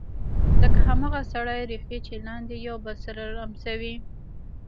لکه هماغه سرې ریښې چې لاندې یو بل سره لمسوي